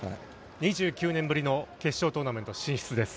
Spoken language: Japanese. ２９年ぶりの決勝トーナメント進出です。